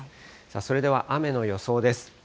それでは雨の予想です。